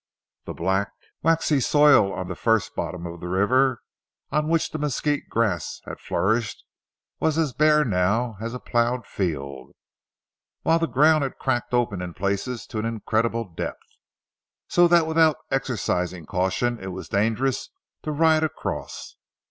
The black, waxy soil on the first bottom of the river, on which the mesquite grass had flourished, was as bare now as a ploughed field, while the ground had cracked open in places to an incredible depth, so that without exercising caution it was dangerous to ride across.